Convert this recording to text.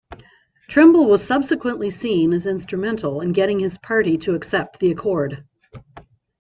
Trimble was subsequently seen as instrumental in getting his party to accept the accord.